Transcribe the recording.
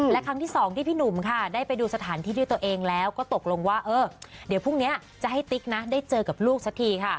และครั้งที่สองที่พี่หนุ่มค่ะได้ไปดูสถานที่ด้วยตัวเองแล้วก็ตกลงว่าเออเดี๋ยวพรุ่งนี้จะให้ติ๊กนะได้เจอกับลูกสักทีค่ะ